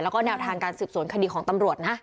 แล้วก็แนวทางการสืบสวนคดีของตำรวจนะ